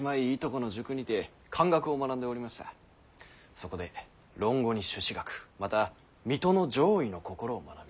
そこで論語に朱子学また水戸の攘夷の心を学び。